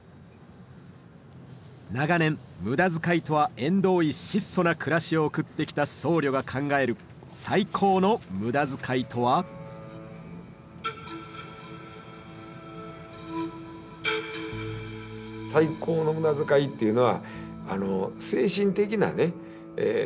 長年「無駄遣い」とは縁遠い質素な暮らしを送ってきた僧侶が考える「最高の無駄遣い」とは？というように受け取りたいですね。